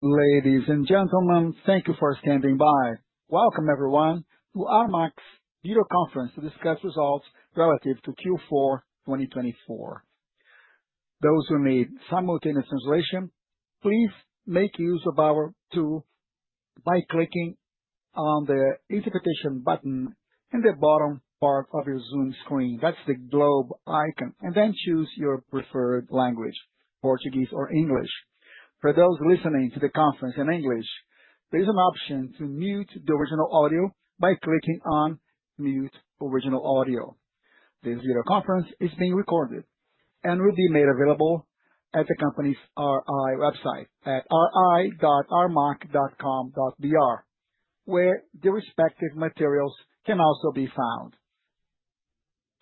Ladies and gentlemen, thank you for standing by. Welcome, everyone, to Armac's video conference to discuss results relative to Q4 2024. Those who need simultaneous translation, please make use of our tool by clicking on the Interpretation button in the bottom part of your Zoom screen. That is the globe icon. Then choose your preferred language: Portuguese or English. For those listening to the conference in English, there is an option to mute the original audio by clicking on Mute Original Audio. This video conference is being recorded and will be made available at the company's RI website at ri.armac.com.br, where the respective materials can also be found.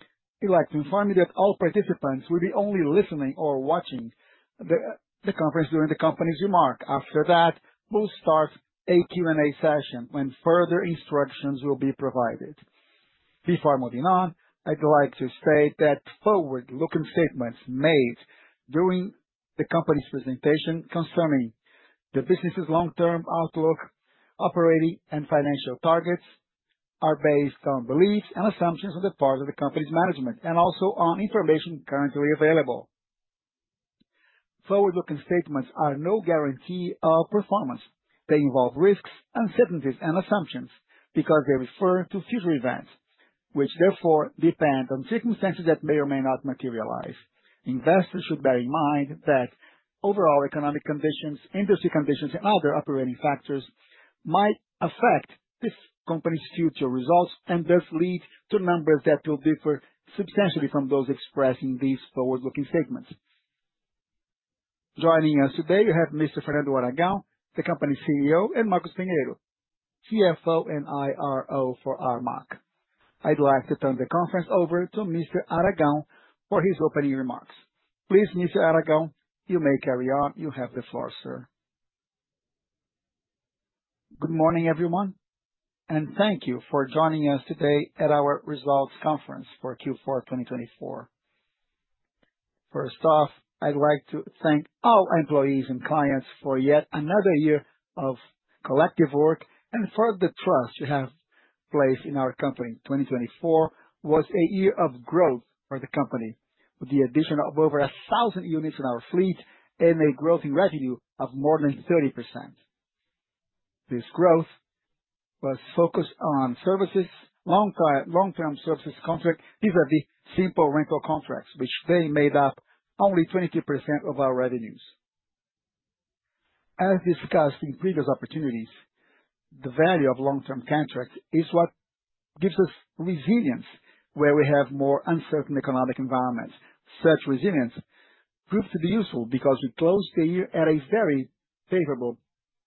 I would like to inform you that all participants will be only listening or watching the conference during the company's remarks. After that, we will start a Q&A session when further instructions will be provided. Before moving on, I'd like to state that forward-looking statements made during the company's presentation concerning the business's long-term outlook, operating, and financial targets are based on beliefs and assumptions on the part of the company's management and also on information currently available. Forward-looking statements are no guarantee of performance. They involve risks, uncertainties, and assumptions because they refer to future events, which therefore depend on circumstances that may or may not materialize. Investors should bear in mind that overall economic conditions, industry conditions, and other operating factors might affect this company's future results and thus lead to numbers that will differ substantially from those expressed in these forward-looking statements. Joining us today, we have Mr. Fernando Aragão, the company's CEO, and Marcos Pinheiro, CFO and IRO for Armac. I'd like to turn the conference over to Mr. Aragão for his opening remarks. Please, Mr. Aragão, you may carry on. You have the floor, sir. Good morning, everyone, and thank you for joining us today at our results conference for Q4 2024. First off, I'd like to thank all employees and clients for yet another year of collective work and for the trust you have placed in our company. 2024 was a year of growth for the company, with the addition of over 1,000 units in our fleet and a growth in revenue of more than 30%. This growth was focused on services, long-term services contracts vis-à-vis simple rental contracts, which made up only 22% of our revenues. As discussed in previous opportunities, the value of long-term contracts is what gives us resilience where we have more uncertain economic environments. Such resilience proved to be useful because we closed the year at a very favorable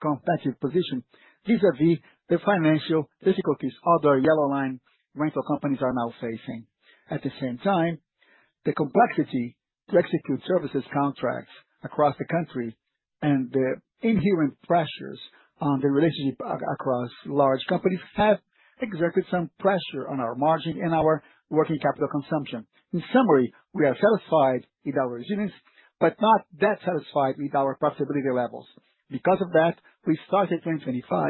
competitive position vis-à-vis the financial difficulties other yellow line rental companies are now facing. At the same time, the complexity to execute services contracts across the country and the inherent pressures on the relationship across large companies have exerted some pressure on our margin and our working capital consumption. In summary, we are satisfied with our resilience, but not that satisfied with our profitability levels. Because of that, we started 2025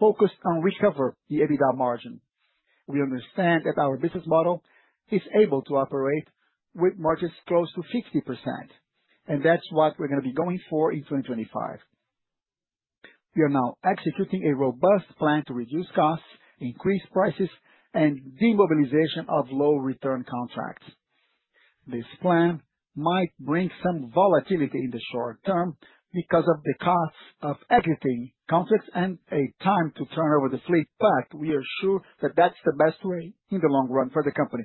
focused on recovering the EBITDA margin. We understand that our business model is able to operate with margins close to 50%, and that's what we're going to be going for in 2025. We are now executing a robust plan to reduce costs, increase prices, and demobilization of low-return contracts. This plan might bring some volatility in the short term because of the costs of exiting contracts and a time to turn over the fleet, but we are sure that that's the best way in the long run for the company.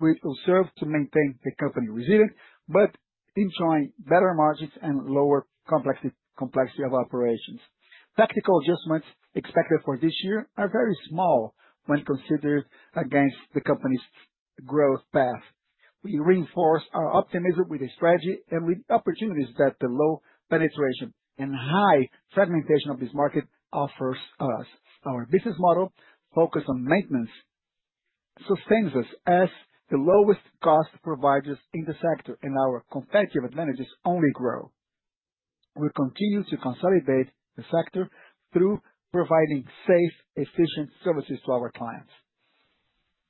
It will serve to maintain the company resilient but enjoy better margins and lower complexity of operations. Tactical adjustments expected for this year are very small when considered against the company's growth path. We reinforce our optimism with a strategy and with opportunities that the low penetration and high fragmentation of this market offers us. Our business model, focused on maintenance, sustains us as the lowest-cost providers in the sector, and our competitive advantages only grow. We continue to consolidate the sector through providing safe, efficient services to our clients.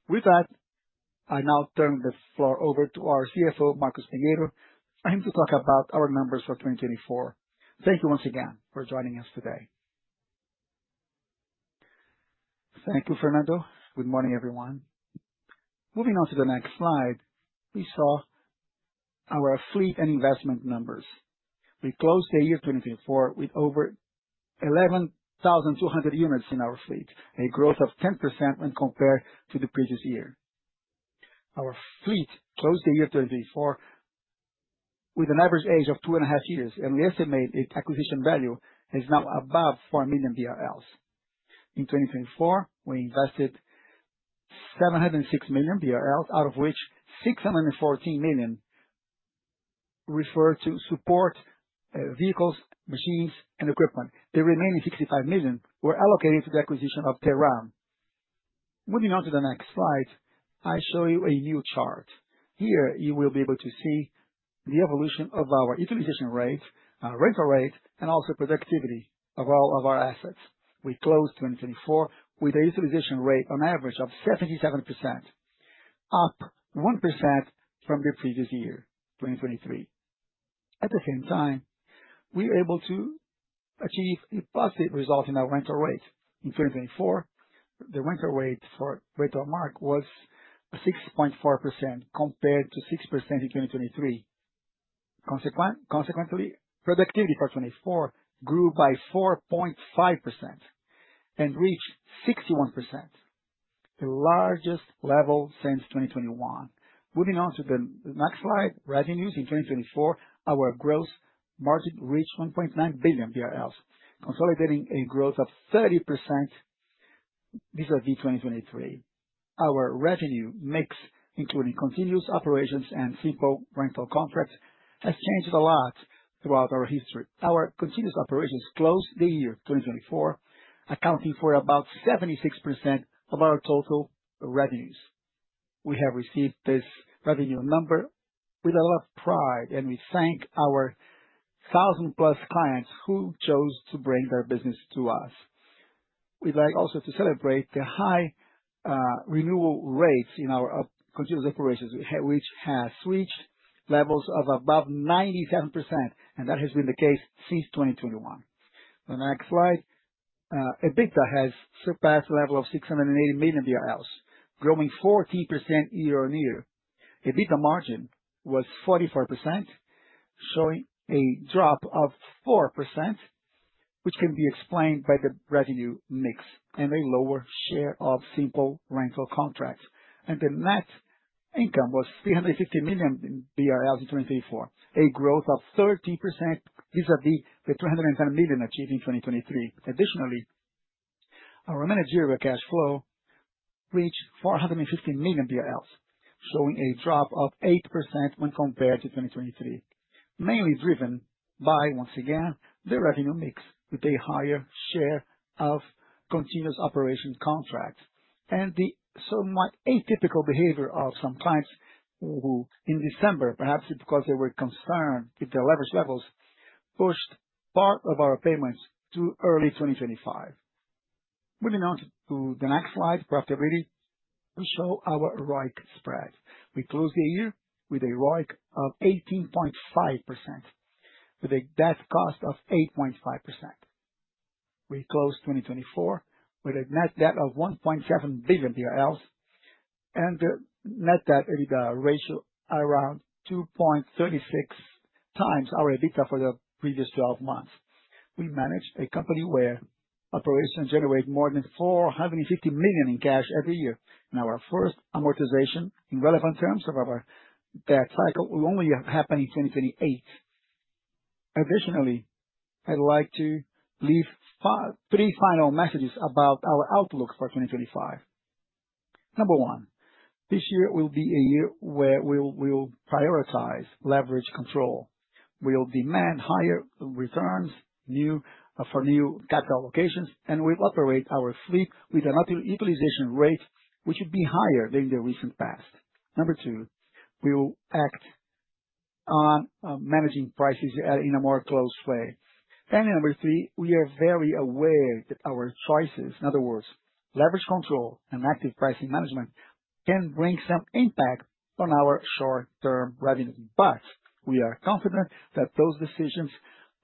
With that, I now turn the floor over to our CFO, Marcos Pinheiro, for him to talk about our numbers for 2024. Thank you once again for joining us today. Thank you, Fernando. Good morning, everyone. Moving on to the next slide, we saw our fleet and investment numbers. We closed the year 2024 with over 11,200 units in our fleet, a growth of 10% when compared to the previous year. Our fleet closed the year 2024 with an average age of two and a half years, and we estimate its acquisition value is now above 4 million BRL. In 2024, we invested 706 million BRL, out of which 614 million refer to support vehicles, machines, and equipment. The remaining 65 million were allocated to the acquisition of Terramais. Moving on to the next slide, I show you a new chart. Here, you will be able to see the evolution of our utilization rate, our rental rate, and also productivity of all of our assets. We closed 2024 with a utilization rate on average of 77%, up 1% from the previous year, 2023. At the same time, we were able to achieve a positive result in our rental rate. In 2024, the rental rate for Armac was 6.4% compared to 6% in 2023. Consequently, productivity for 2024 grew by 4.5% and reached 61%, the largest level since 2021. Moving on to the next slide, revenues in 2024, our gross margin reached 1.9 billion BRL, consolidating a growth of 30% vis-à-vis 2023. Our revenue mix, including continuous operations and simple rental contracts, has changed a lot throughout our history. Our continuous operations closed the year 2024, accounting for about 76% of our total revenues. We have received this revenue number with a lot of pride, and we thank our 1,000-plus clients who chose to bring their business to us. We would like also to celebrate the high renewal rates in our continuous operations, which have switched levels of above 97%, and that has been the case since 2021. The next slide, EBITDA has surpassed the level of 680 million BRL, growing 14% year-on-year. EBITDA margin was 44%, showing a drop of 4%, which can be explained by the revenue mix and a lower share of simple rental contracts. The net income was 350 million BRL in 2024, a growth of 13% vis-à-vis the 310 million achieved in 2023. Additionally, our managerial cash flow reached 450 million, showing a drop of 8% when compared to 2023, mainly driven by, once again, the revenue mix with a higher share of continuous operation contracts and the somewhat atypical behavior of some clients who, in December, perhaps because they were concerned with the leverage levels, pushed part of our payments to early 2025. Moving on to the next slide, profitability, we show our ROIC spread. We closed the year with a ROIC of 18.5%, with a debt cost of 8.5%. We closed 2024 with a net debt of 1.7 billion BRL and a net debt ratio around 2.36 times our EBITDA for the previous 12 months. We manage a company where operations generate more than 450 million in cash every year, and our first amortization in relevant terms of our debt cycle will only happen in 2028. Additionally, I'd like to leave three final messages about our outlook for 2025. Number one, this year will be a year where we will prioritize leverage control. We'll demand higher returns for new capital allocations, and we'll operate our fleet with a utilization rate which would be higher than in the recent past. Number two, we will act on managing prices in a more closed way. Number three, we are very aware that our choices, in other words, leverage control and active pricing management, can bring some impact on our short-term revenue. We are confident that those decisions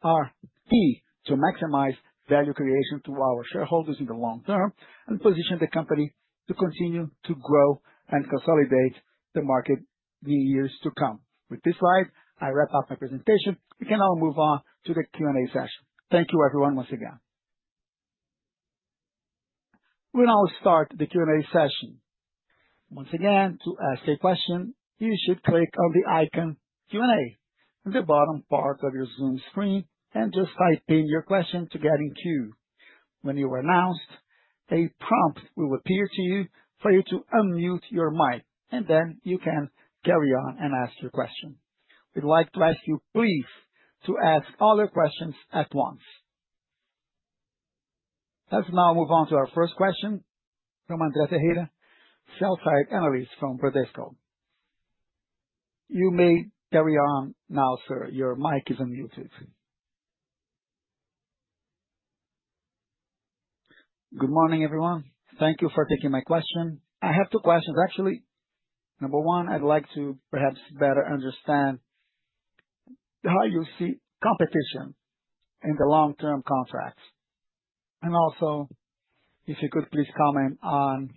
are key to maximize value creation to our shareholders in the long term and position the company to continue to grow and consolidate the market in the years to come. With this slide, I wrap up my presentation. We can now move on to the Q&A session. Thank you, everyone, once again. We'll now start the Q&A session. Once again, to ask a question, you should click on the icon Q&A in the bottom part of your Zoom screen and just type in your question to get in queue. When you are announced, a prompt will appear to you for you to unmute your mic, and then you can carry on and ask your question. We'd like to ask you, please, to ask all your questions at once. Let's now move on to our first question from André Ferreira, sell-side analyst from Bradesco. You may carry on now, sir. Your mic is unmuted. Good morning, everyone. Thank you for taking my question. I have two questions, actually. Number one, I'd like to perhaps better understand how you see competition in the long-term contracts. Also, if you could please comment on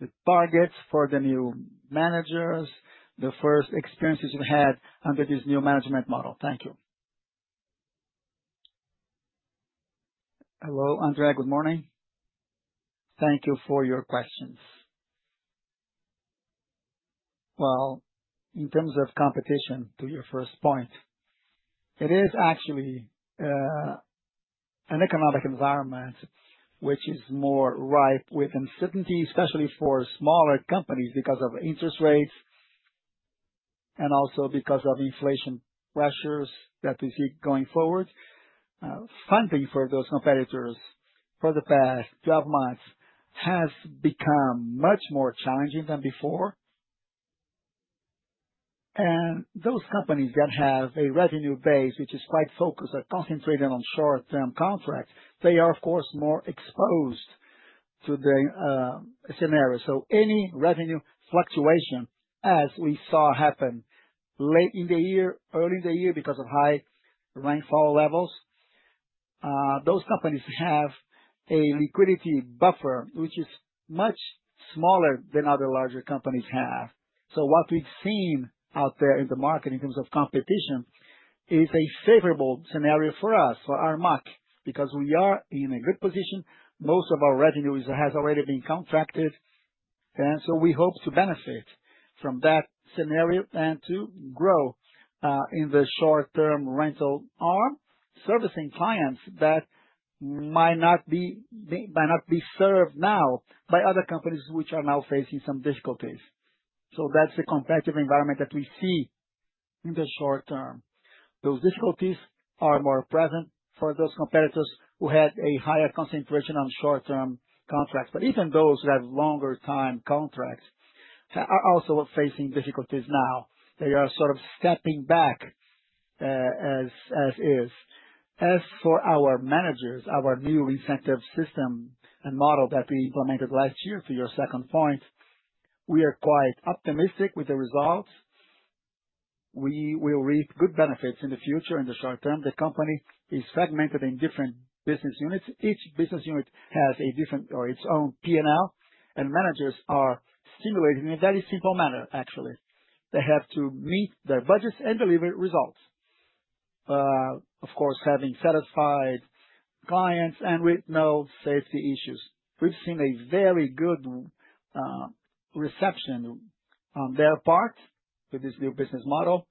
the targets for the new managers, the first experiences you've had under this new management model. Thank you. Hello, André. Good morning. Thank you for your questions. In terms of competition, to your first point, it is actually an economic environment which is more ripe with uncertainty, especially for smaller companies because of interest rates and also because of inflation pressures that we see going forward. Funding for those competitors for the past 12 months has become much more challenging than before. Those companies that have a revenue base which is quite focused or concentrated on short-term contracts are, of course, more exposed to the scenario. Any revenue fluctuation, as we saw happen late in the year, early in the year because of high rainfall levels, means those companies have a liquidity buffer which is much smaller than other larger companies have. What we have seen out there in the market in terms of competition is a favorable scenario for us, for Armac, because we are in a good position. Most of our revenue has already been contracted, and we hope to benefit from that scenario and to grow in the short-term rental arm servicing clients that might not be served now by other companies which are now facing some difficulties. That is the competitive environment that we see in the short term. Those difficulties are more present for those competitors who had a higher concentration on short-term contracts, but even those who have longer-term contracts are also facing difficulties now. They are sort of stepping back as is. As for our managers, our new incentive system and model that we implemented last year to your second point, we are quite optimistic with the results. We will reap good benefits in the future in the short term. The company is fragmented in different business units. Each business unit has a different or its own P&L, and managers are stimulated in a very simple manner, actually. They have to meet their budgets and deliver results, of course, having satisfied clients and with no safety issues. We've seen a very good reception on their part with this new business model.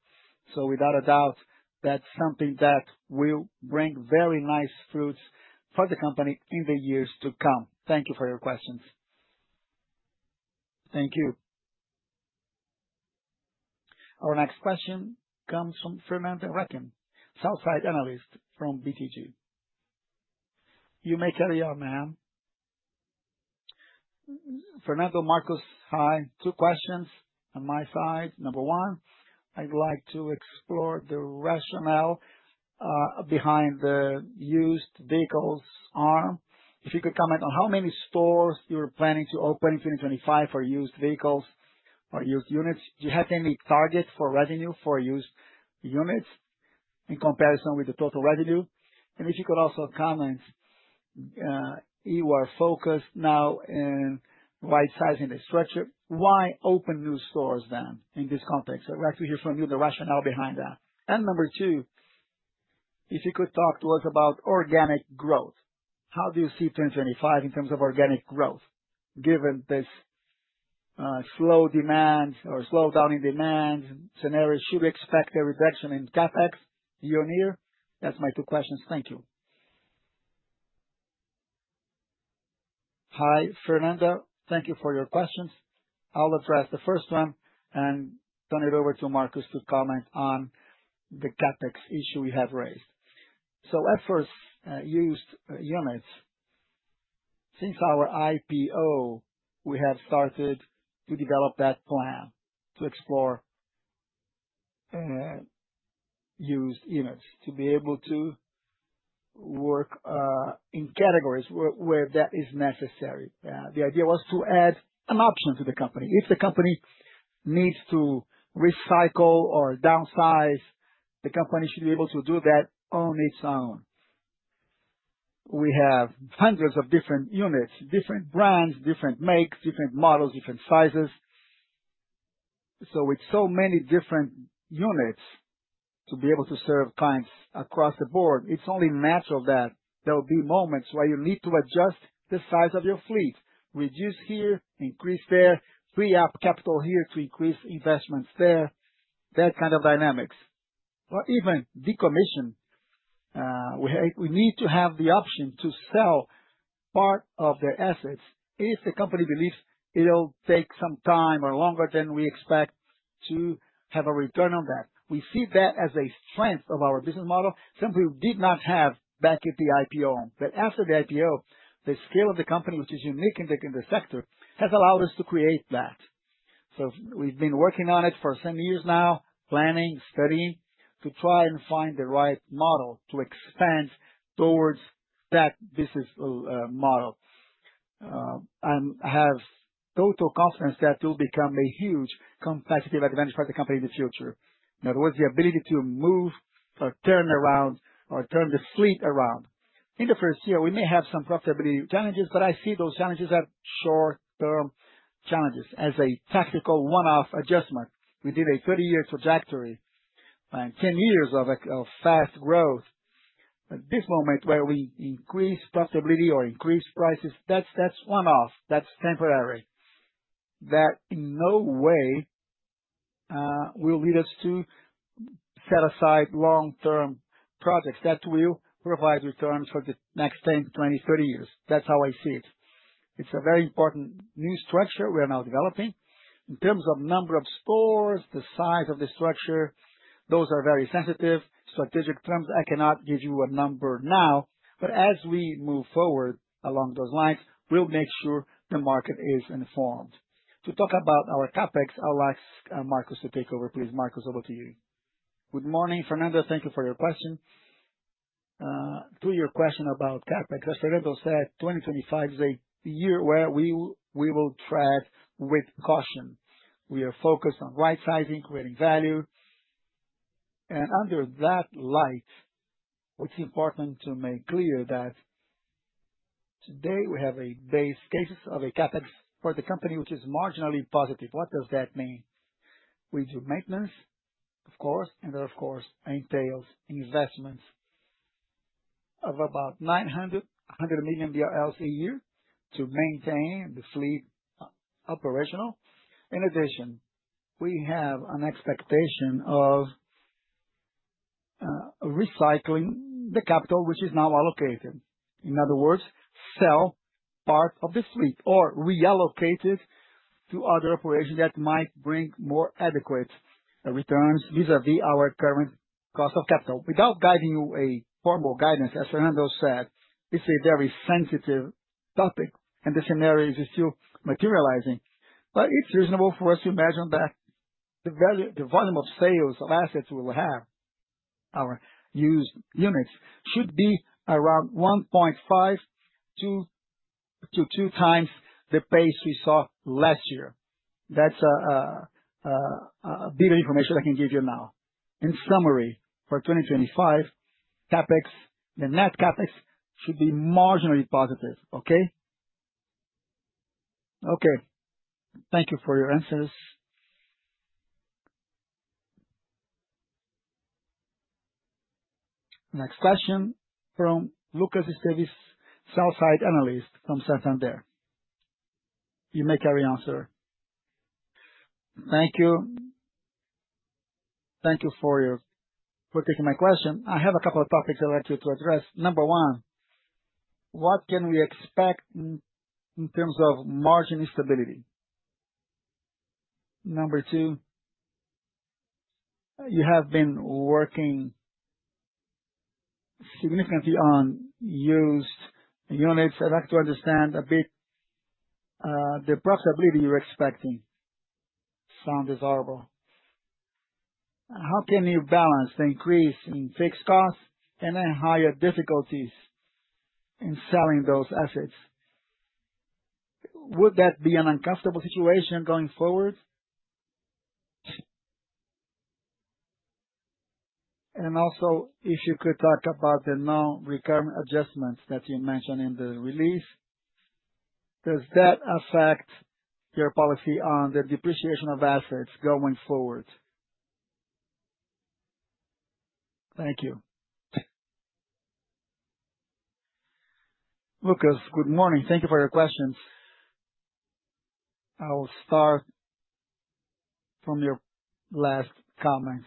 Without a doubt, that's something that will bring very nice fruits for the company in the years to come. Thank you for your questions. Thank you. Our next question comes from Fernanda Recchia, sell-side analyst from BTG. You may carry on, ma'am. Fernando Marcos, hi. Two questions on my side. Number one, I'd like to explore the rationale behind the used vehicles arm. If you could comment on how many stores you're planning to open in 2025 for used vehicles or used units. Do you have any targets for revenue for used units in comparison with the total revenue? If you could also comment, you are focused now in right-sizing the structure. Why open new stores then in this context? I'd like to hear from you the rationale behind that. Number two, if you could talk to us about organic growth. How do you see 2025 in terms of organic growth, given this slow demand or slowdown in demand scenario? Should we expect a reduction in CapEx year-on-year? That is my two questions. Thank you. Hi, Fernando. Thank you for your questions. I will address the first one and turn it over to Marcos to comment on the CapEx issue we have raised. At first, used units, since our IPO, we have started to develop that plan to explore used units to be able to work in categories where that is necessary. The idea was to add an option to the company. If the company needs to recycle or downsize, the company should be able to do that on its own. We have hundreds of different units, different brands, different makes, different models, different sizes. With so many different units to be able to serve clients across the board, it's only natural that there will be moments where you need to adjust the size of your fleet, reduce here, increase there, free up capital here to increase investments there, that kind of dynamics. Or even decommission. We need to have the option to sell part of the assets if the company believes it'll take some time or longer than we expect to have a return on that. We see that as a strength of our business model. Simply we did not have back at the IPO. After the IPO, the scale of the company, which is unique in the sector, has allowed us to create that. We've been working on it for some years now, planning, studying to try and find the right model to expand towards that business model. I have total confidence that it will become a huge competitive advantage for the company in the future. In other words, the ability to move or turn around or turn the fleet around. In the first year, we may have some profitability challenges, but I see those challenges as short-term challenges, as a tactical one-off adjustment. We did a 30-year trajectory and 10 years of fast growth. This moment where we increase profitability or increase prices, that's one-off. That's temporary. That in no way will lead us to set aside long-term projects that will provide returns for the next 10, 20, 30 years. That's how I see it. It's a very important new structure we are now developing. In terms of number of stores, the size of the structure, those are very sensitive. Strategic terms, I cannot give you a number now, but as we move forward along those lines, we'll make sure the market is informed. To talk about our CapEx, I'll ask Marcos to take over. Please, Marcos, over to you. Good morning, Fernando. Thank you for your question. To your question about CapEx, as Fernando said, 2025 is a year where we will tread with caution. We are focused on right-sizing, creating value. Under that light, it's important to make clear that today we have a base case of a CapEx for the company which is marginally positive. What does that mean? We do maintenance, of course, and that, of course, entails investments of about 900 million, 100 million BRL a year to maintain the fleet operational. In addition, we have an expectation of recycling the capital which is now allocated. In other words, sell part of the fleet or reallocate it to other operations that might bring more adequate returns vis-à-vis our current cost of capital. Without giving you a formal guidance, as Fernando said, it's a very sensitive topic, and the scenario is still materializing. It is reasonable for us to imagine that the volume of sales of assets we will have, our used units, should be around 1.5-2 times the pace we saw last year. That's a bit of information I can give you now. In summary, for 2025, CapEx, the net CapEx should be marginally positive. Okay? Okay. Thank you for your answers. Next question from Lucas Esteves, sell-side analyst from Santander. You may carry on, sir. Thank you. Thank you for taking my question. I have a couple of topics I'd like you to address. Number one, what can we expect in terms of margin stability? Number two, you have been working significantly on used units. I'd like to understand a bit the profitability you're expecting. Sounds desirable. How can you balance the increase in fixed costs and then higher difficulties in selling those assets? Would that be an uncomfortable situation going forward? Also, if you could talk about the non-recurring adjustments that you mentioned in the release, does that affect your policy on the depreciation of assets going forward? Thank you. Lucas, good morning. Thank you for your questions. I will start from your last comments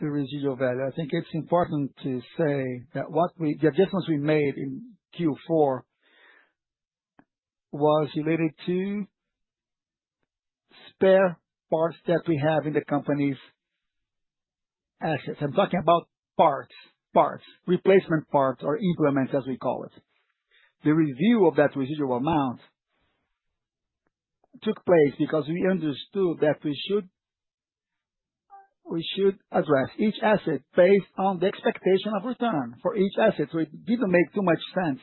to residual value. I think it's important to say that the adjustments we made in Q4 were related to spare parts that we have in the company's assets. I'm talking about parts, parts, replacement parts or implements, as we call it. The review of that residual amount took place because we understood that we should address each asset based on the expectation of return for each asset. It did not make too much sense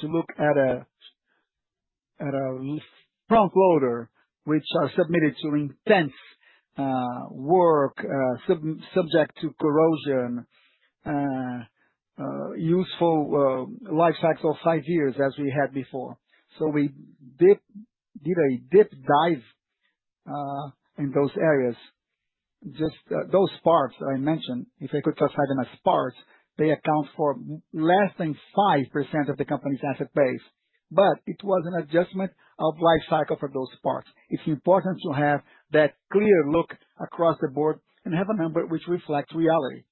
to look at a front loader which are submitted to intense work, subject to corrosion, useful life cycle of five years as we had before. We did a deep dive in those areas. Just those parts I mentioned, if I could classify them as parts, they account for less than 5% of the company's asset base. It was an adjustment of life cycle for those parts. It is important to have that clear look across the board and have a number which reflects reality.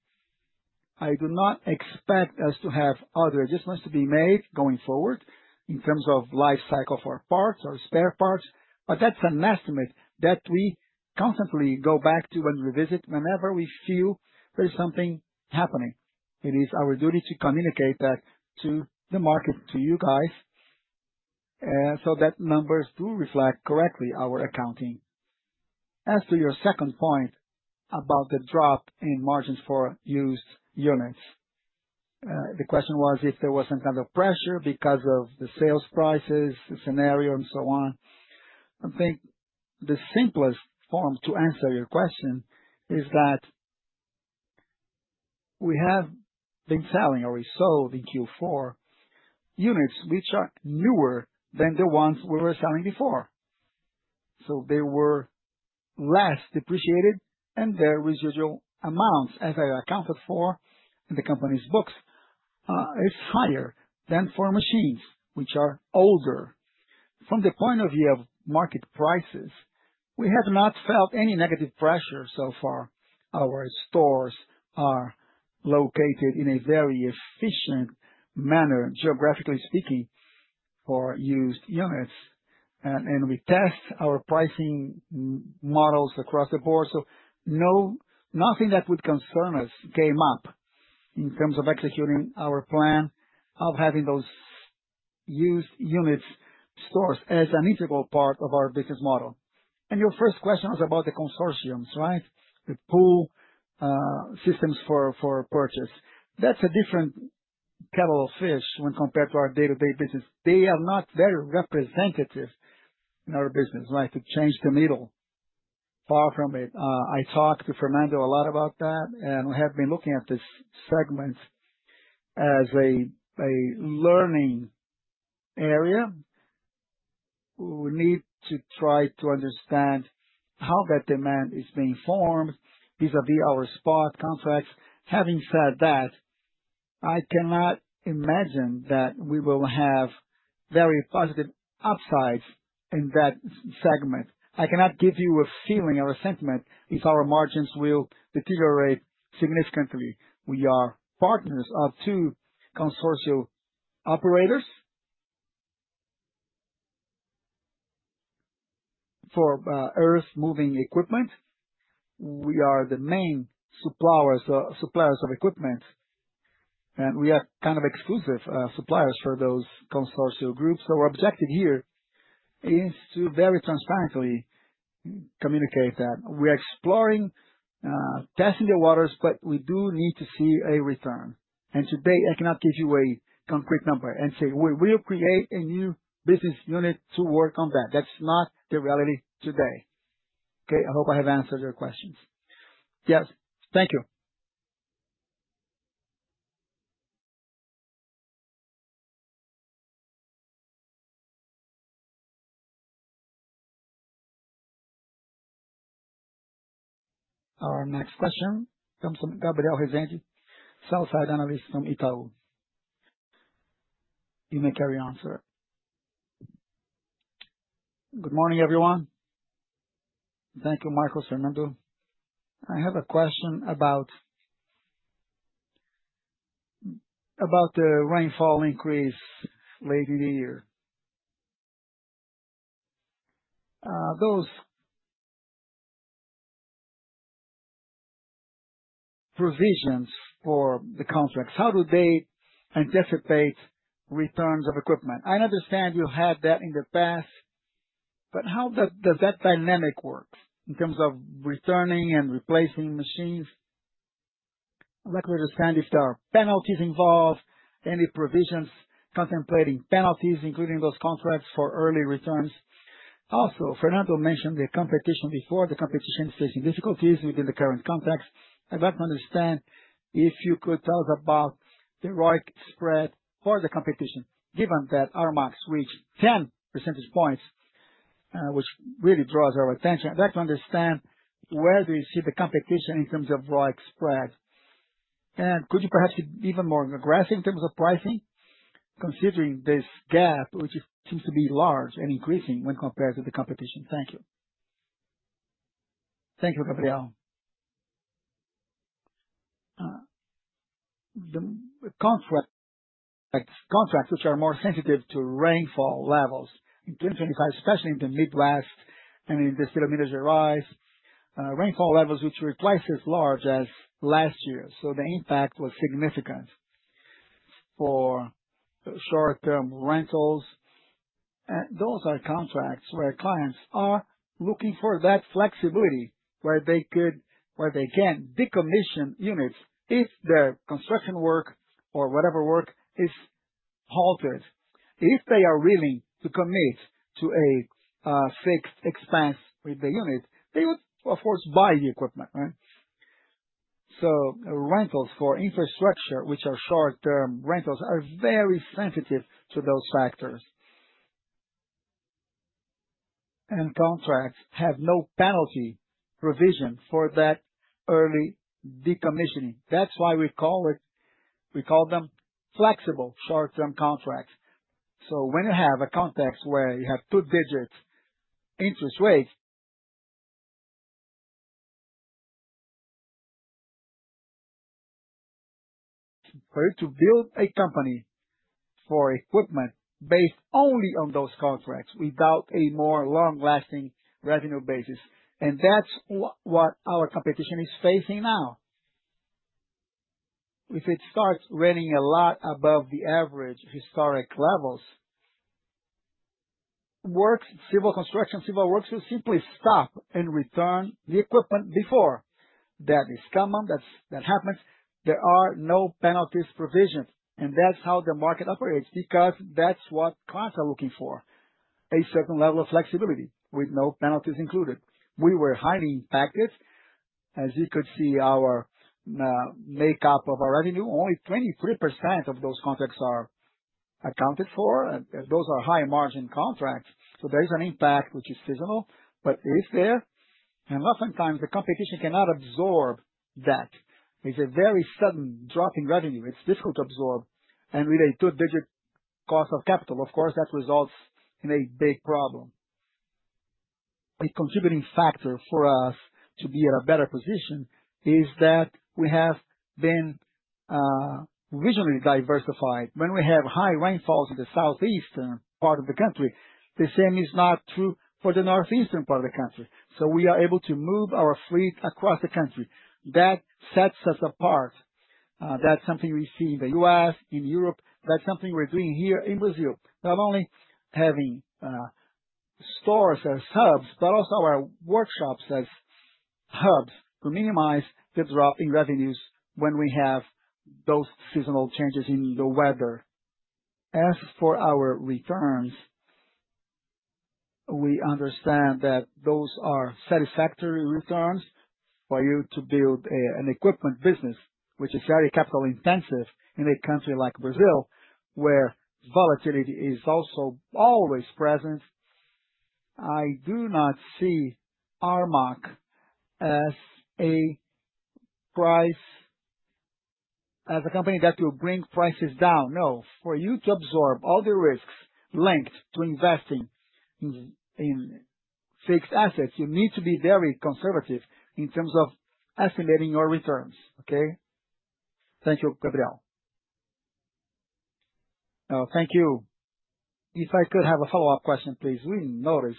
I do not expect us to have other adjustments to be made going forward in terms of life cycle for parts or spare parts, but that's an estimate that we constantly go back to and revisit whenever we feel there's something happening. It is our duty to communicate that to the market, to you guys, so that numbers do reflect correctly our accounting. As to your second point about the drop in margins for used units, the question was if there was some kind of pressure because of the sales prices, the scenario, and so on. I think the simplest form to answer your question is that we have been selling or we sold in Q4 units which are newer than the ones we were selling before. They were less depreciated, and their residual amounts, as I accounted for in the company's books, are higher than for machines which are older. From the point of view of market prices, we have not felt any negative pressure so far. Our stores are located in a very efficient manner, geographically speaking, for used units. We test our pricing models across the board. Nothing that would concern us came up in terms of executing our plan of having those used units stores as an integral part of our business model. Your first question was about the consortiums, right? The pool systems for purchase. That is a different kettle of fish when compared to our day-to-day business. They are not very representative in our business, right, to change the needle. Far from it. I talked to Fernando a lot about that, and we have been looking at this segment as a learning area. We need to try to understand how that demand is being formed vis-à-vis our spot contracts. Having said that, I cannot imagine that we will have very positive upsides in that segment. I cannot give you a feeling or a sentiment if our margins will deteriorate significantly. We are partners of two consortial operators for earth-moving equipment. We are the main suppliers of equipment, and we are kind of exclusive suppliers for those consortial groups. Our objective here is to very transparently communicate that we are exploring, testing the waters, but we do need to see a return. Today, I cannot give you a concrete number and say, "We will create a new business unit to work on that." That is not the reality today. Okay? I hope I have answered your questions. Yes. Thank you. Our next question comes from Gabriel Resende, sell-side analyst from Itaú. You may carry on, sir. Good morning, everyone. Thank you, Marcos, Fernando. I have a question about the rainfall increase late in the year. Those provisions for the contracts, how do they anticipate returns of equipment? I understand you had that in the past, but how does that dynamic work in terms of returning and replacing machines? I'd like to understand if there are penalties involved, any provisions contemplating penalties, including those contracts for early returns. Also, Fernando mentioned the competition before. The competition is facing difficulties within the current context. I'd like to understand if you could tell us about the ROIC spread for the competition, given that Armac reached 10 percentage points, which really draws our attention. I'd like to understand where do you see the competition in terms of ROIC spread? And could you perhaps be even more aggressive in terms of pricing, considering this gap, which seems to be large and increasing when compared to the competition? Thank you. Thank you, Gabriel. The contracts which are more sensitive to rainfall levels in 2025, especially in the Midwest and in the state of Minas Gerais, rainfall levels which were twice as large as last year. The impact was significant for short-term rentals. Those are contracts where clients are looking for that flexibility where they can decommission units if the construction work or whatever work is halted. If they are willing to commit to a fixed expense with the unit, they would, of course, buy the equipment, right? Rentals for infrastructure, which are short-term rentals, are very sensitive to those factors. Contracts have no penalty provision for that early decommissioning. That is why we call them flexible short-term contracts. When you have a context where you have two-digit interest rates, for you to build a company for equipment based only on those contracts without a more long-lasting revenue basis. That is what our competition is facing now. If it starts running a lot above the average historic levels, Civil Construction, Civil Works will simply stop and return the equipment before that is common. That happens. There are no penalties provisioned. That is how the market operates because that is what clients are looking for: a certain level of flexibility with no penalties included. We were highly impacted. As you could see, our makeup of our revenue, only 23% of those contracts are accounted for. Those are high-margin contracts. There is an impact which is seasonal, but it is there. Oftentimes, the competition cannot absorb that. It is a very sudden drop in revenue. It is difficult to absorb. With a two-digit cost of capital, of course, that results in a big problem. A contributing factor for us to be in a better position is that we have been regionally diversified. When we have high rainfalls in the southeastern part of the country, the same is not true for the northeastern part of the country. We are able to move our fleet across the country. That sets us apart. That is something we see in the U.S., in Europe. That is something we are doing here in Brazil. Not only having stores as hubs, but also our workshops as hubs to minimize the drop in revenues when we have those seasonal changes in the weather. As for our returns, we understand that those are satisfactory returns for you to build an equipment business, which is very capital-intensive in a country like Brazil, where volatility is also always present. I do not see Armac as a company that will bring prices down. No. For you to absorb all the risks linked to investing in fixed assets, you need to be very conservative in terms of estimating your returns. Okay? Thank you, Gabriel. Thank you. If I could have a follow-up question, please. We noticed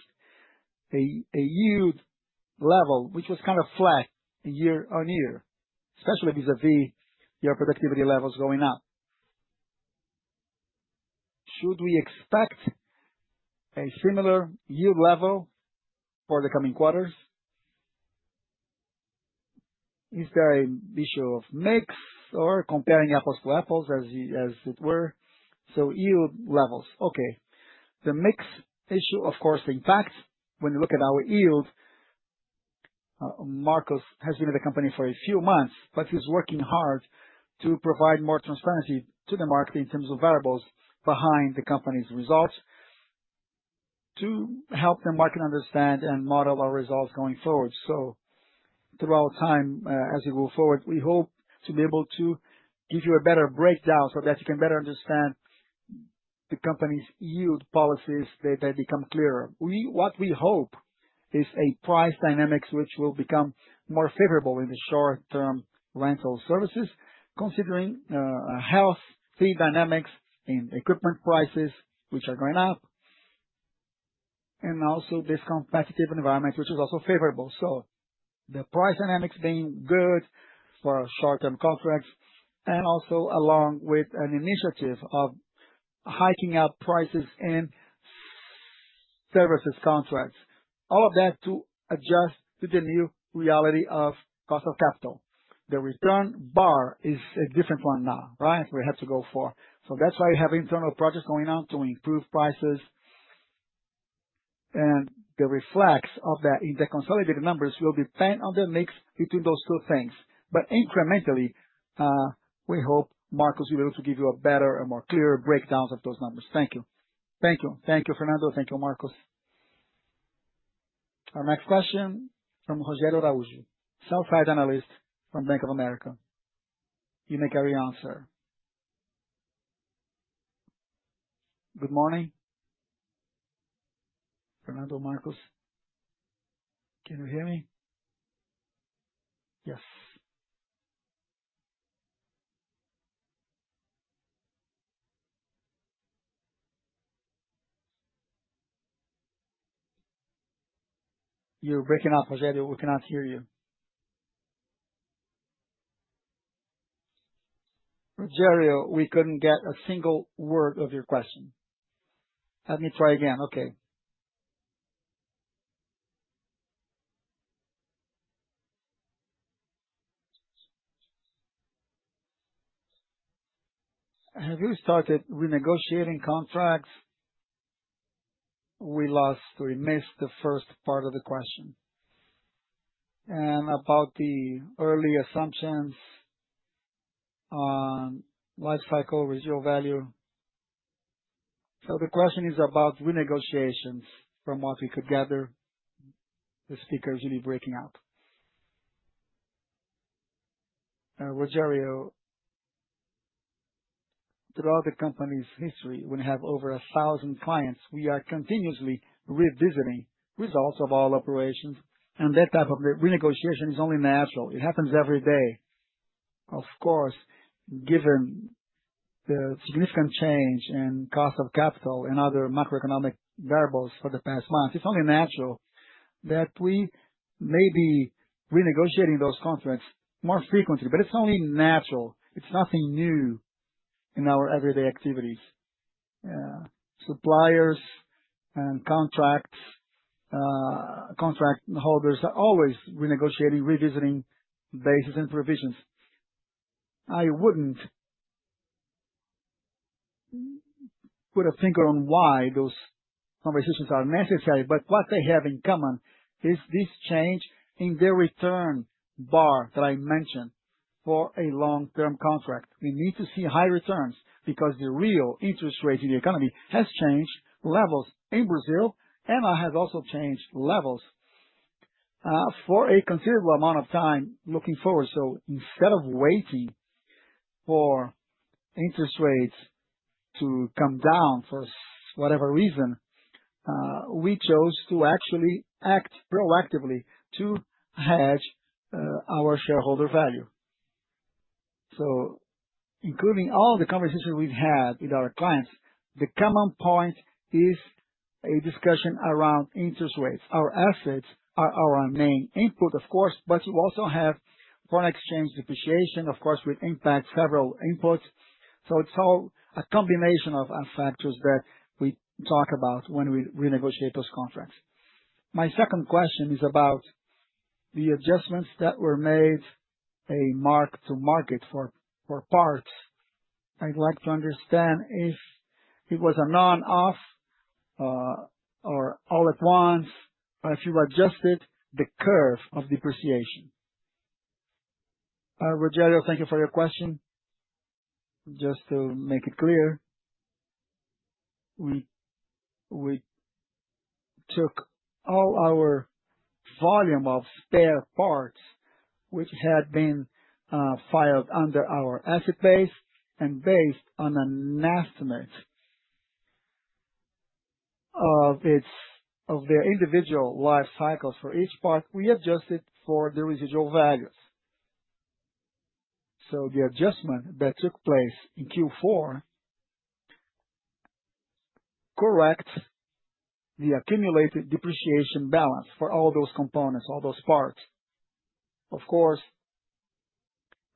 a yield level which was kind of flat year on year, especially vis-à-vis your productivity levels going up. Should we expect a similar yield level for the coming quarters? Is there an issue of mix or comparing apples to apples, as it were? Yield levels. Okay. The mix issue, of course, impacts when we look at our yield. Marcos has been at the company for a few months, but he's working hard to provide more transparency to the market in terms of variables behind the company's results to help the market understand and model our results going forward. Throughout time, as we go forward, we hope to be able to give you a better breakdown so that you can better understand the company's yield policies that become clearer. What we hope is a price dynamic which will become more favorable in the short-term rental services, considering healthy dynamics in equipment prices which are going up, and also this competitive environment which is also favorable. The price dynamics are good for short-term contracts and also along with an initiative of hiking up prices in services contracts. All of that to adjust to the new reality of cost of capital. The return bar is a different one now, right? We have to go for. That is why we have internal projects going on to improve prices. The reflects of that in the consolidated numbers will depend on the mix between those two things. Incrementally, we hope Marcos will be able to give you a better and more clear breakdown of those numbers. Thank you. Thank you. Thank you, Fernando. Thank you, Marcos. Our next question from Rogério Araújo, sell-side analyst from Bank of America. You may carry on, sir. Good morning. Fernando, Marcos, can you hear me? Yes. You are breaking up, Rogério. We cannot hear you. Rogério, we could not get a single word of your question. Let me try again. Okay. Have you started renegotiating contracts? We lost or we missed the first part of the question. About the early assumptions on lifecycle, residual value. The question is about renegotiations from what we could gather. The speaker is really breaking up. Rogério, throughout the company's history, when we have over 1,000 clients, we are continuously revisiting results of all operations. That type of renegotiation is only natural. It happens every day. Of course, given the significant change in cost of capital and other macroeconomic variables for the past month, it is only natural that we may be renegotiating those contracts more frequently. It is only natural. It is nothing new in our everyday activities. Suppliers and contract holders are always renegotiating, revisiting bases and provisions. I would not put a finger on why those conversations are necessary, but what they have in common is this change in the return bar that I mentioned for a long-term contract. We need to see high returns because the real interest rate in the economy has changed levels in Brazil, and it has also changed levels for a considerable amount of time looking forward. Instead of waiting for interest rates to come down for whatever reason, we chose to actually act proactively to hedge our shareholder value. Including all the conversations we've had with our clients, the common point is a discussion around interest rates. Our assets are our main input, of course, but you also have foreign exchange depreciation, of course, which impacts several inputs. It is all a combination of factors that we talk about when we renegotiate those contracts. My second question is about the adjustments that were made a mark to market for parts. I'd like to understand if it was a non-off or all at once, or if you adjusted the curve of depreciation. Rogério, thank you for your question. Just to make it clear, we took all our volume of spare parts, which had been filed under our asset base and based on an estimate of their individual life cycles for each part, we adjusted for the residual values. The adjustment that took place in Q4 corrects the accumulated depreciation balance for all those components, all those parts. Of course,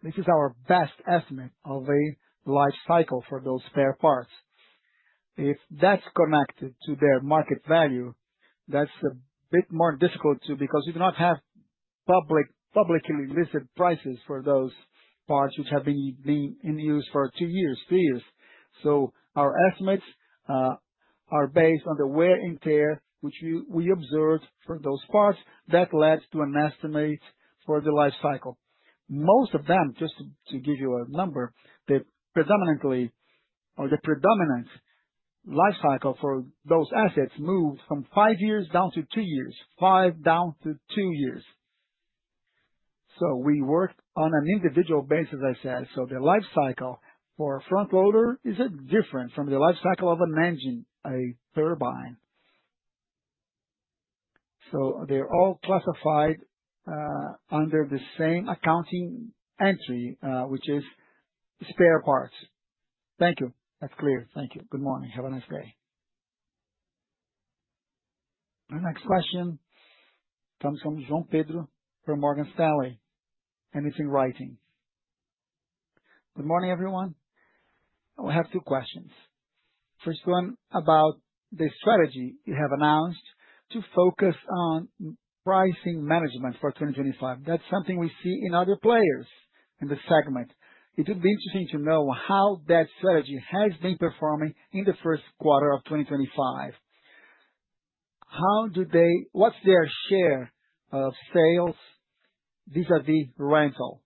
this is our best estimate of a life cycle for those spare parts. If that's connected to their market value, that's a bit more difficult too because we do not have publicly listed prices for those parts which have been in use for two years, three years. Our estimates are based on the wear and tear which we observed for those parts that led to an estimate for the life cycle. Most of them, just to give you a number, the predominantly or the predominant life cycle for those assets moved from five years down to two years, five down to two years. We worked on an individual basis, as I said. The life cycle for a front loader is different from the life cycle of an engine, a turbine. They are all classified under the same accounting entry, which is spare parts. Thank you. That's clear. Thank you. Good morning. Have a nice day. Our next question comes from João Pedro from Morgan Stanley, and it's in writing. Good morning, everyone. I have two questions. First one about the strategy you have announced to focus on pricing management for 2025. That's something we see in other players in the segment. It would be interesting to know how that strategy has been performing in the first quarter of 2025. What's their share of sales vis-à-vis rental?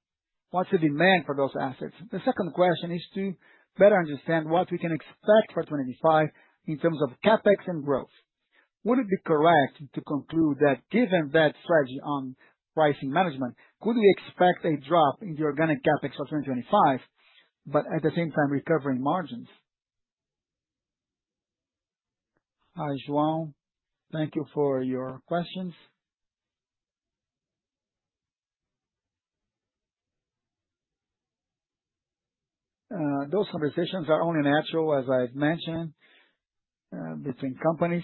What's the demand for those assets? The second question is to better understand what we can expect for 2025 in terms of CapEx and growth. Would it be correct to conclude that given that strategy on pricing management, could we expect a drop in the organic CapEx for 2025, but at the same time, recovering margins? Hi, João. Thank you for your questions. Those conversations are only natural, as I've mentioned, between companies.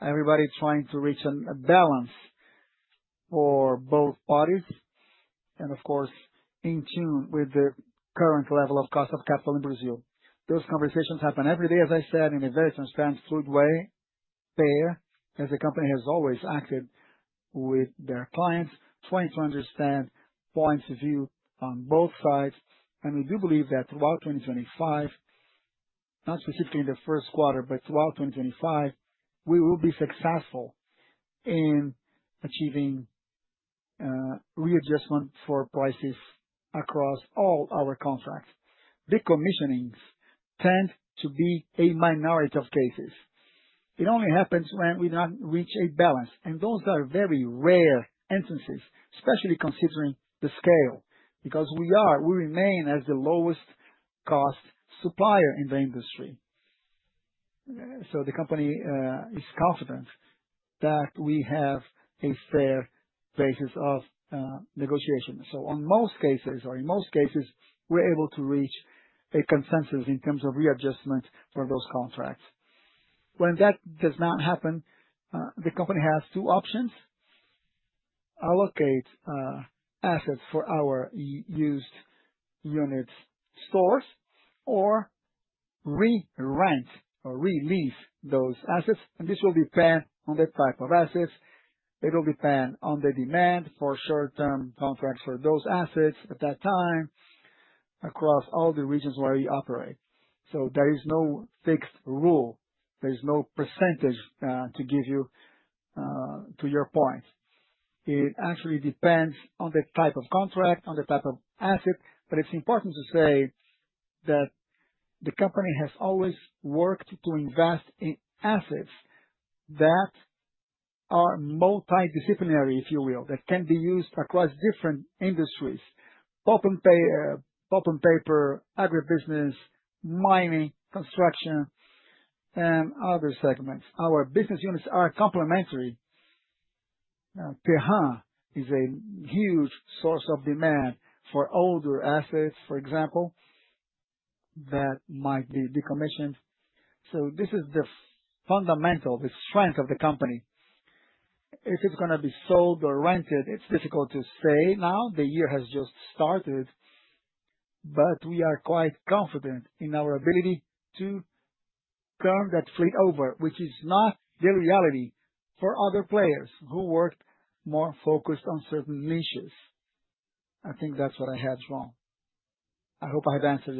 Everybody trying to reach a balance for both parties and, of course, in tune with the current level of cost of capital in Brazil. Those conversations happen every day, as I said, in a very transparent, fluid way. Fair, as the company has always acted with their clients, trying to understand points of view on both sides. We do believe that throughout 2025, not specifically in the first quarter, but throughout 2025, we will be successful in achieving readjustment for prices across all our contracts. Decommissionings tend to be a minority of cases. It only happens when we do not reach a balance. Those are very rare instances, especially considering the scale, because we remain as the lowest-cost supplier in the industry. The company is confident that we have a fair basis of negotiation. In most cases, we're able to reach a consensus in terms of readjustment for those contracts. When that does not happen, the company has two options: allocate assets for our used unit stores or re-rent or release those assets. This will depend on the type of assets. It will depend on the demand for short-term contracts for those assets at that time across all the regions where we operate. There is no fixed rule. There is no percentage to give you to your point. It actually depends on the type of contract, on the type of asset. It is important to say that the company has always worked to invest in assets that are multidisciplinary, if you will, that can be used across different industries: pulp and paper, agribusiness, mining, construction, and other segments. Our business units are complementary. Terramais is a huge source of demand for older assets, for example, that might be decommissioned. This is the fundamental, the strength of the company. If it is going to be sold or rented, it is difficult to say now. The year has just started. We are quite confident in our ability to turn that fleet over, which is not the reality for other players who worked more focused on certain niches. I think that's what I had, João. I hope I have answered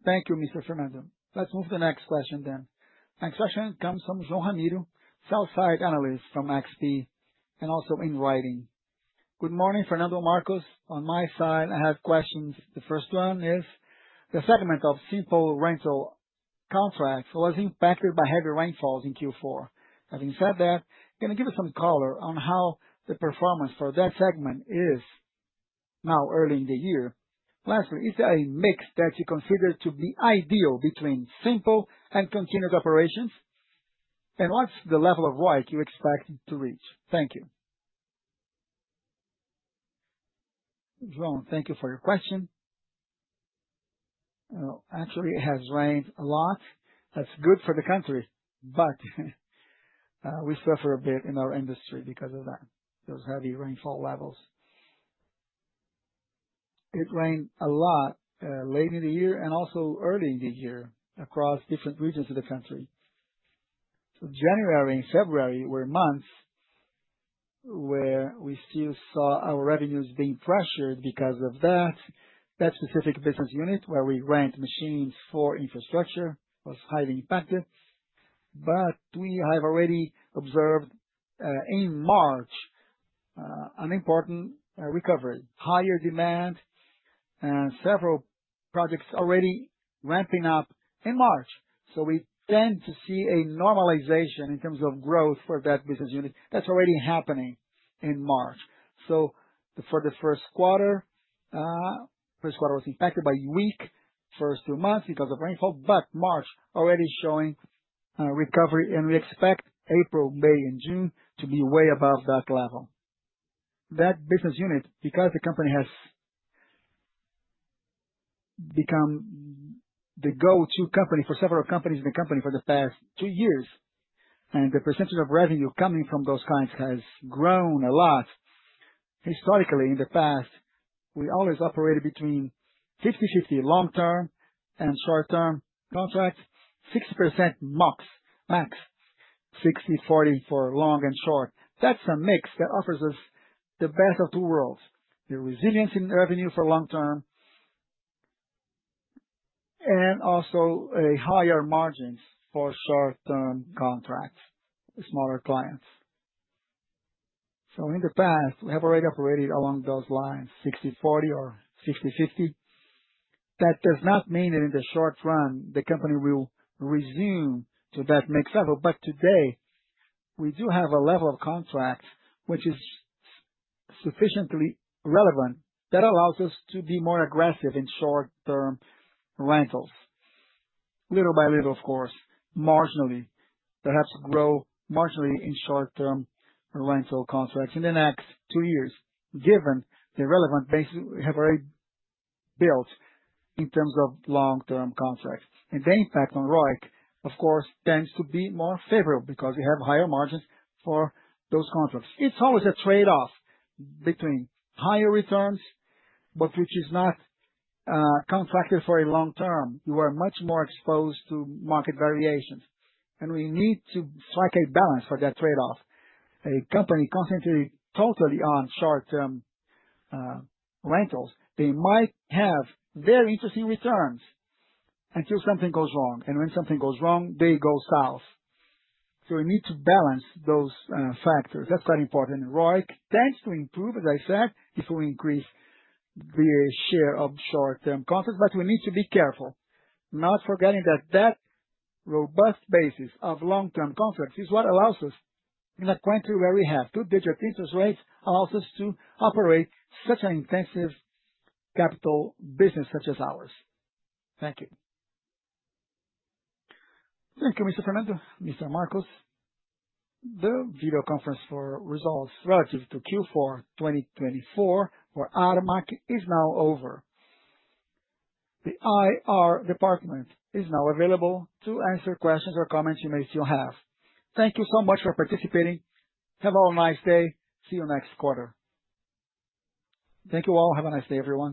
your questions. Thank you, Mr. Fernando. Let's move to the next question then. Next question comes from João Ramiro, sell-side analyst from XP, and also in writing. Good morning, Fernando Marcos. On my side, I have questions. The first one is the segment of simple rental contracts was impacted by heavy rainfalls in Q4. Having said that, I'm going to give you some color on how the performance for that segment is now early in the year. Lastly, is there a mix that you consider to be ideal between simple and continuous operations? And what's the level of weight you expect to reach? Thank you. João, thank you for your question. Actually, it has rained a lot. That's good for the country, but we suffer a bit in our industry because of that, those heavy rainfall levels. It rained a lot late in the year and also early in the year across different regions of the country. January and February were months where we still saw our revenues being pressured because of that. That specific business unit where we rent machines for infrastructure was highly impacted. We have already observed in March an important recovery, higher demand, and several projects already ramping up in March. We tend to see a normalization in terms of growth for that business unit that's already happening in March. For the first quarter, first quarter was impacted by weak first two months because of rainfall, but March already showing recovery. We expect April, May, and June to be way above that level. That business unit, because the company has become the go-to company for several companies in the company for the past two years, and the percentage of revenue coming from those clients has grown a lot. Historically, in the past, we always operated between 50/50, long-term and short-term contracts, 60% max, 60/40 for long and short. That is a mix that offers us the best of two worlds: the resilience in revenue for long-term and also higher margins for short-term contracts, smaller clients. In the past, we have already operated along those lines, 60/40 or 60/50. That does not mean that in the short run, the company will resume to that mix level. Today, we do have a level of contract which is sufficiently relevant that allows us to be more aggressive in short-term rentals. Little by little, of course, marginally, perhaps grow marginally in short-term rental contracts in the next two years, given the relevant basis we have already built in terms of long-term contracts. The impact on ROIC, of course, tends to be more favorable because we have higher margins for those contracts. It is always a trade-off between higher returns, but which is not contracted for a long term. You are much more exposed to market variations. We need to strike a balance for that trade-off. A company concentrated totally on short-term rentals, they might have very interesting returns until something goes wrong. When something goes wrong, they go south. We need to balance those factors. That is quite important. ROIC tends to improve, as I said, if we increase the share of short-term contracts. We need to be careful, not forgetting that that robust basis of long-term contracts is what allows us in a country where we have two-digit interest rates allows us to operate such an intensive capital business such as ours. Thank you. Thank you, Mr. Fernando, Mr. Marcos. The video conference for results relative to Q4 2024 for Armac is now over. The IR department is now available to answer questions or comments you may still have. Thank you so much for participating. Have a nice day. See you next quarter. Thank you all. Have a nice day, everyone.